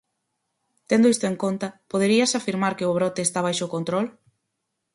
Tendo isto en conta, poderíase afirmar que o brote está baixo control?